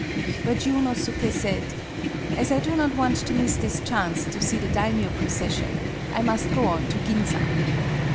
But Jiunosuke said: ^^ As I do not want to miss this chance to see the Daimy5 procession,' I must go on to Ginza."